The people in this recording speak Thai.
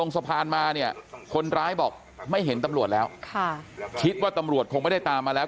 สะพานมาเนี่ยคนร้ายบอกไม่เห็นตำรวจแล้วค่ะคิดว่าตำรวจคงไม่ได้ตามมาแล้ว